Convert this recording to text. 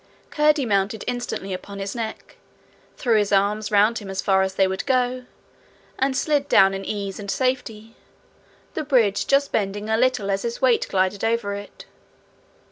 Curdie mounted instantly upon his neck, threw his arms round him as far as they would go, and slid down in ease and safety, the bridge just bending a little as his weight glided over it.